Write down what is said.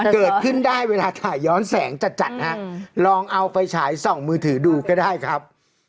เกิดขึ้นได้เวลาถ่ายย้อนแสงจัดฮะลองเอาไฟฉายส่องมือถือดูก็ได้ครับ